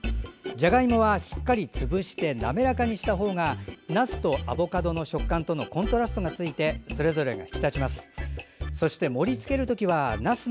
じゃがいもはしっかり潰して滑らかにしたほうがなすとアボカドの食感とのコントラストがついてそれぞれが引き立ちます。